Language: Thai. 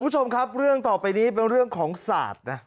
คุณผู้ชมครับเรื่องต่อไปนี้เป็นเรื่องของศาสตร์นะ